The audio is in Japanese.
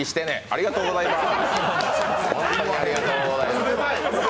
ありがとーございます。